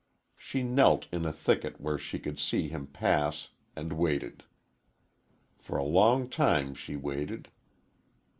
She knelt in a thicket where she could see him pass, and waited. For a long time she waited.